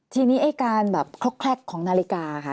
ทีนี้ไอ้การแบบคลอกของนาฬิกาค่ะ